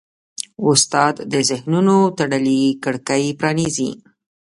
استاد د ذهنونو تړلې کړکۍ پرانیزي.